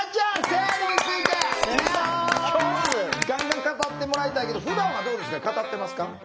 ガンガン語ってもらいたいけどふだんはどうですか？